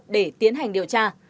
để tiến hành điều tra